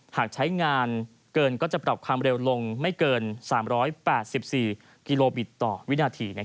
หากใช้งานเกินก็จะปรับความเร็วลงไม่เกิน๓๘๔กิโลบิตต่อวินาที